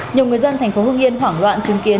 nhiều người dân tp hưng yên hoảng loạn chứng kiến